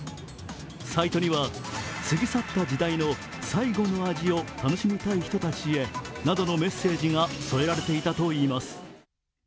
サイトには、過ぎ去った時代の最後の味を楽しみたい人たちへなどのメッセージが添えられていたといいます。